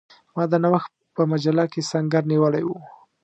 ما د نوښت په مجله کې سنګر نیولی وو.